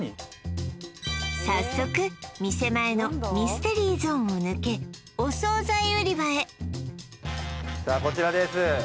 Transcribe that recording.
早速店前のミステリーゾーンを抜けお惣菜売り場へさあこちらです